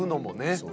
そう。